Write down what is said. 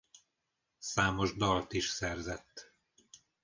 Számos dalt is szerzett.